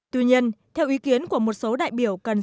tuy nhiên theo ý kiến của một số đại biểu cần sử dụng